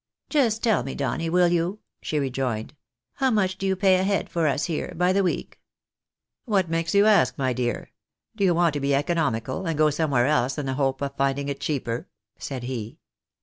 "Just tell me, Donny, will you," she rejoined, "how much do you pay a head for us here, by the week ?"" What makes you ask, my dear ? Do you want to be econo mical, and go somewhere else in the hope of finding it cheaper ?" said he.